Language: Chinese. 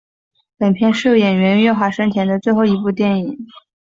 本片是演员岳华生前的最后一部电影演出。